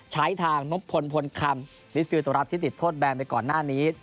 ใช้ทางนบพลพลคำมิดฟิลตัวรับที่ติดโทษแบนไปก่อนหน้านี้